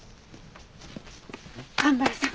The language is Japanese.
蒲原さん。